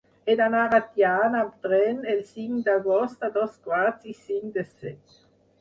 He d'anar a Tiana amb tren el cinc d'agost a dos quarts i cinc de set.